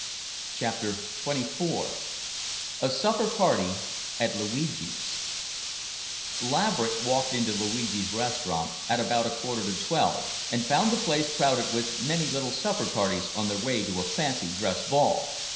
CHAPTER XXIV A SUPPER PARTY AT LUIGI'S Laverick walked into Luigi's Restaurant at about a quarter to twelve, and found the place crowded with many little supper parties on their way to a fancy dress ball.